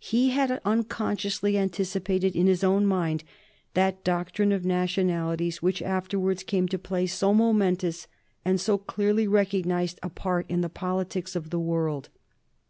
He had unconsciously anticipated in his own mind that doctrine of nationalities which afterwards came to play so momentous and so clearly recognized a part in the politics of the world.